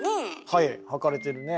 はい履かれてるね。